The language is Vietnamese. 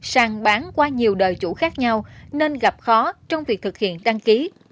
sang bán qua nhiều đời chủ khác nhau nên gặp khó trong việc thực hiện đăng ký